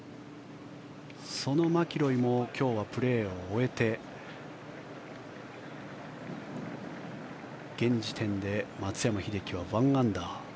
そのマキロイも今日はプレーを終えて現時点で松山英樹は１アンダー。